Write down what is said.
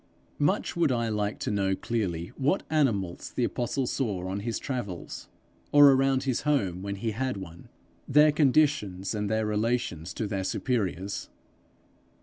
Much would I like to know clearly what animals the apostle saw on his travels, or around his home when he had one their conditions, and their relations to their superiors.